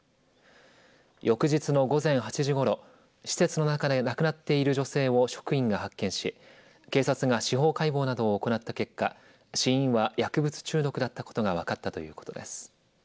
翌日の午前８時ごろ施設の中で亡くなっている女性を職員が発見し警察が司法解剖などを行った結果死因は薬物中毒だったことが分かったということです。